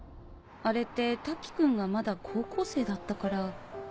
あれって瀧くんがまだ高校生だったから。